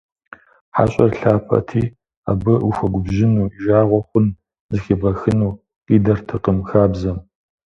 ХьэщӀэр лъапӀэти, абы ухуэгубжьыну, и жагъуэ хъун зыхебгъэхыну къидэртэкъым хабзэм.